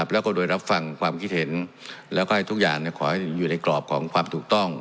แล้วก็โดยรับฟังความคิดเห็นแล้วก็ให้ทุกอย่างขอให้อยู่ในกรอบของความถูกต้อง